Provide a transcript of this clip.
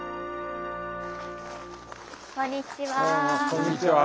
こんにちは。